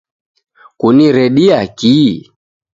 Kuniredia kii?